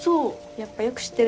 やっぱよく知ってるね。